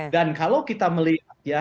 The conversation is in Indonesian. dan kalau kita melihat ya